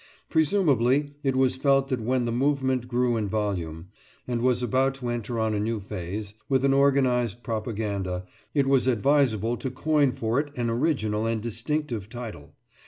Presumably, it was felt that when the movement grew in volume, and was about to enter on a new phase, with an organised propaganda, it was advisable to coin for it an original and distinctive title.